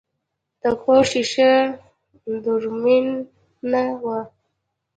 د کور شیشه دوړمنه وه.